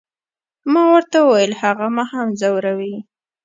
ما ورته وویل، هغه ما هم ځوروي.